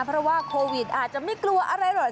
เพราะว่าโควิดอาจจะไม่กลัวอะไรหรอก